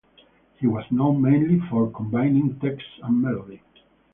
He was known mainly for "combining text and melody".